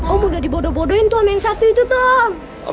om udah dibodoh bodohin tuh sama yang satu itu tuh